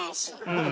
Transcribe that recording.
うん。